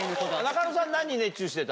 中野さん何熱中してた？